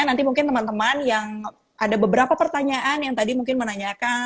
nanti mungkin teman teman yang ada beberapa pertanyaan yang tadi mungkin menanyakan